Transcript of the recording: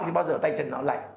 thì bao giờ tay chân nó lạnh